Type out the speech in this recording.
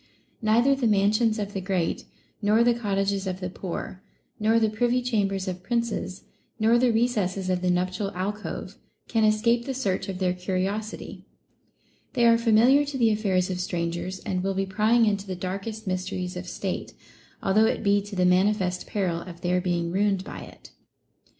Neither the mansions of the great, nor the cot tages of the poor, nor the privy chambers of princes, nor the recesses of the nuptial alcove, can escape the search of their curiosity ; they are familiar to the affairs of strangers, and will be prying into the darkest mysteries of state, although it be to the manifest peril of their being ruined by it.